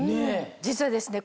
実はですね